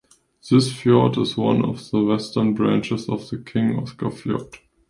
This fjord is one of the western branches of the King Oscar Fjord.